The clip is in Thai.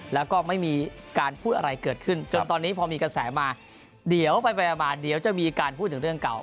แล้วก็ไม่มีการพูดอะไรเกิดขึ้นจนตอนนี้พอมีกระแสมาเดี๋ยวไปมาเดี๋ยวจะมีการพูดถึงเรื่องเก่า